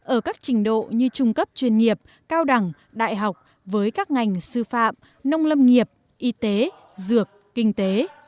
ở các trình độ như trung cấp chuyên nghiệp cao đẳng đại học với các ngành sư phạm nông lâm nghiệp y tế dược kinh tế